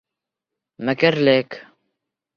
Мәкерлек!